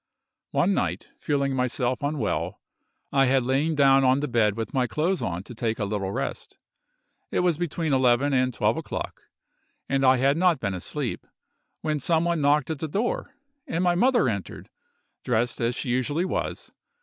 One night, feeling myself unwell, I had lain down on the bed with my clothes on to take a little rest. It was between 11 and 12 o'clock, and I had not been asleep, when some one knocked at the door, and my mother entered, dressed as she usually was.